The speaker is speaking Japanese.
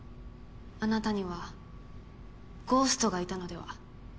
あなたにはゴーストがいたのでは。